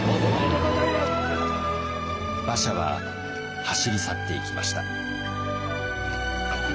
馬車は走り去っていきました。